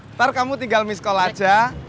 ntar kamu tinggal miss call aja